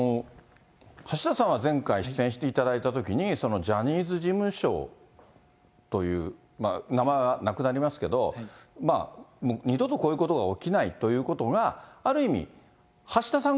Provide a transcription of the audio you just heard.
橋田さんは前回、出演していただいたときに、ジャニーズ事務所という、名前はなくなりますけど、二度とこういうことが起きないということが、ある意味、橋田さん